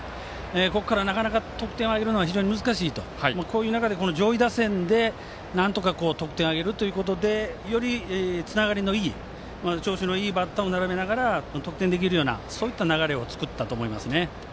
ここから、なかなか得点を挙げるのは非常に難しいとこういう中で上位打線でなんとか得点を挙げるということでよりつながりのいい調子のいいバッターを並べながら得点できるような流れを作ったと思いますね。